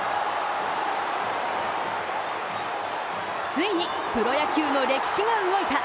ついにプロ野球の歴史が動いた。